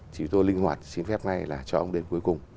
thì tôi linh hoạt xin phép ngay là cho ông đến cuối cùng